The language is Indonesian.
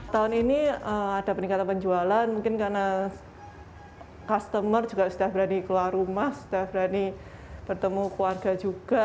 tahun ini ada peningkatan penjualan mungkin karena customer juga sudah berani keluar rumah sudah berani bertemu keluarga juga